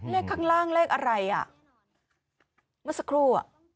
ข้างล่างเลขอะไรอ่ะเมื่อสักครู่อ่ะ